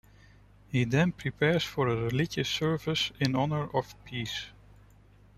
He then prepares for a religious service in honour of Peace.